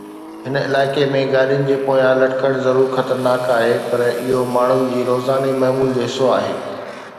هن علائقي ۾ گاڏين جي پويان لٽڪڻ ضرور خطرناڪ آهي، پر اهو ماڻهن جي روزاني معمول جو حصو آهي.